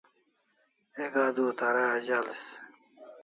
Ek adua tara zalis